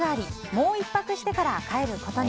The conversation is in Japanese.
もう１泊してから帰ることに。